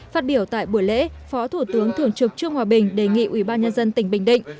phát biểu tại buổi lễ phó thủ tướng thường trực trương hòa bình đề nghị ủy ban nhân dân tỉnh bình định